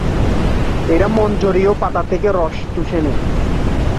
এরা মঞ্জরি ও পাতা থেকে রস শুষে নেয়।